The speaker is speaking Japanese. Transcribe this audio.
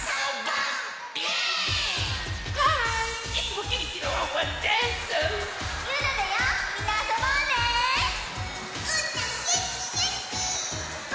うーたんげんきげんき！